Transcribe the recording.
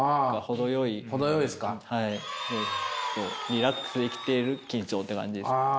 リラックスできている緊張という感じですね。